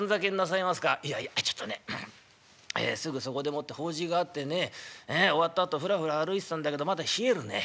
「いやいやちょっとねすぐそこでもって法事があってね終わったあとフラフラ歩いてたんだけどまだ冷えるね。